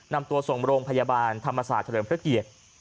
นำตัวส่งโรงพยาบาลธรรมศาสตร์เฉลิมพระเกียรติ